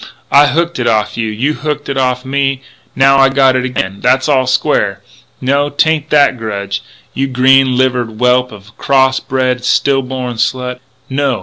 I hooked it off'n you; you hooked it off'n me; now I got it again. That's all square.... No, 'tain't that grudge, you green livered whelp of a cross bred, still born slut! No!